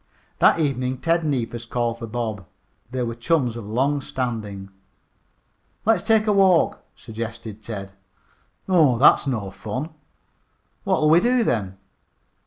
That evening Ted Neefus called for Bob. They were chums of long standing. "Let's take a walk," suggested Ted. "Aw, that's no fun." "What'll we do then?"